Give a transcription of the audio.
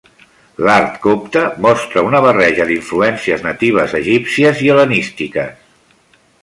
L'art copte mostra una barreja d'influències natives egípcies i hel·lenístiques.